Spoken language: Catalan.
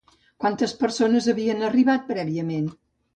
Quantes persones havien arribat prèviament?